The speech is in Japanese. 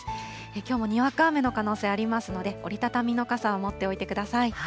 きょうもにわか雨の可能性ありますので、折り畳みの傘を持っておいてください。